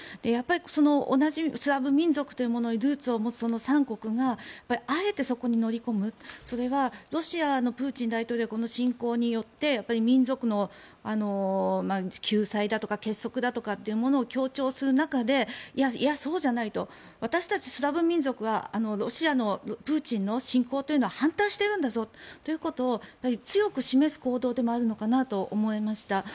やっぱり同じスラブ民族というものにルーツを持つその３国があえてそこに乗り込むそれはロシアのプーチン大統領がこの侵攻によって民族の救済だとか結束だとかを強調する中でいや、そうじゃないと私たちスラブ民族はロシアのプーチンの侵攻というのは反対しているんだぞということを強く示す行動でもあるのかなとも思えました。